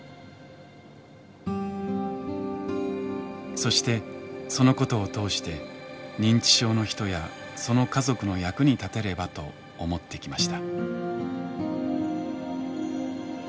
そしてそのことを通して認知症の人やその家族の役に立てればと思ってきました。